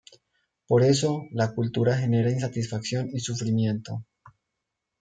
Por eso, la cultura genera insatisfacción y sufrimiento.